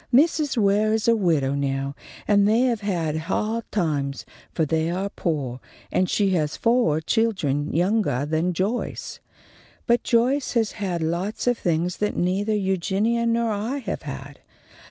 Mrs. Ware is a widow now, and they have ha'd times, for they are poah, and she has foah children youngah than Joyce. But Joyce has had lots of things that neithah Eugenia nor I have had.